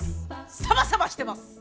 サバサバしてます！